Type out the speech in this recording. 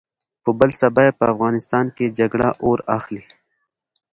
په بل سبا يې په افغانستان کې جګړه اور اخلي.